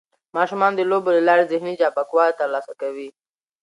ماشومان د لوبو له لارې ذهني چابکوالی ترلاسه کوي.